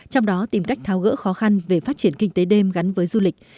trong đó tìm cách tháo gỡ khó khăn về phát triển kinh tế đêm gắn với du lịch